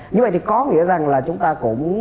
như vậy thì có nghĩa rằng là chúng ta cũng